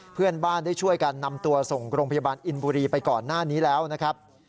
เพื่อนบ้านได้ช่วยกันนำตัวส่งโรงพยาบาลอินบุรีไปก่อนหน้านี้แล้วนะครับ